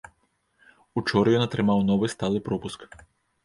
Учора ён атрымаў новы сталы пропуск.